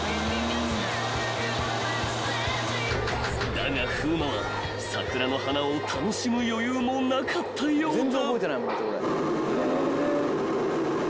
［だが風磨は桜の花を楽しむ余裕もなかったようだ］